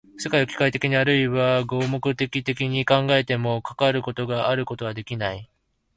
世界を機械的にあるいは合目的的に考えても、かかることがあることはできない。